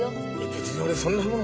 別に俺そんなもの。